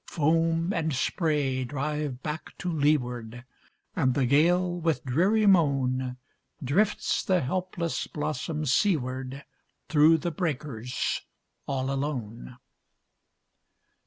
Foam and spray drive back to leeward, And the gale, with dreary moan, Drifts the helpless blossom seaward, Through the breakers all alone.